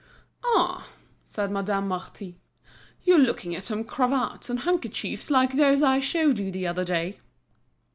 "Ah!" said Madame Marty, "you're looking at some cravats and handkerchiefs like those I showed you the other day."